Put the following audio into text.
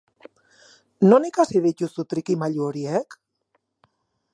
Non ikasi dituzu trikimailu horiek?